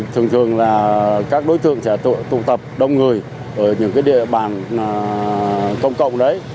thường thường là các đối tượng sẽ tụ tập đông người ở những địa bàn công cộng đấy